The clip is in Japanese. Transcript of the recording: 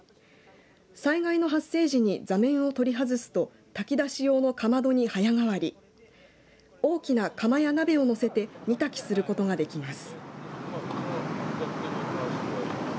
災害の発生時に座面を取り外すと炊き出し用のかまどに早変わり大きなかまや鍋をのせて煮炊きすることができます。